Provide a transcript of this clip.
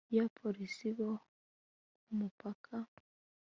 iyo abapolisi bo ku mupaka